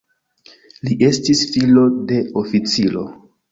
Li estis filo de oficiro.